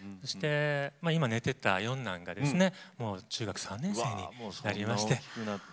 今、寝ていた四男が中学３年生になりました。